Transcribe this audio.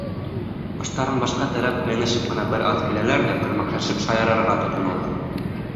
Баштарын башҡа терәп, һыйынышып ҡына бер аҙ киләләр ҙә көрмәкләшеп шаярырға тотоналар.